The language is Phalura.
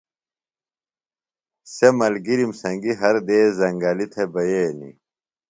سےۡ ملگِرِم سنگیۡ ہر دیس زنگلیۡ تھےۡ بئینیۡ۔